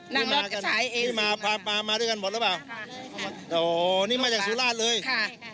นั่งรถก็ถ่ายเอสนี่มาพามาด้วยกันหมดหรือเปล่าอ๋อนี่มาจากสุราชเลยค่ะ